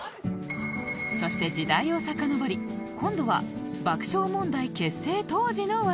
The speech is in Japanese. そして時代をさかのぼり今度は爆笑問題結成当時の話題に